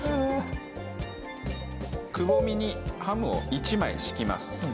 くぼみにハムを１枚敷きます。